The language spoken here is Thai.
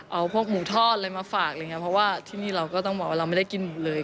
เอาพวกหมูทอดอะไรมาฝากอะไรอย่างเงี้เพราะว่าที่นี่เราก็ต้องบอกว่าเราไม่ได้กินหมูเลย